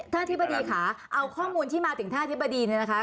อธิบดีค่ะเอาข้อมูลที่มาถึงท่านอธิบดีเนี่ยนะคะ